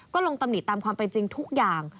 ก็ลงตำหนิตามความเป็นจริงทุกอย่าง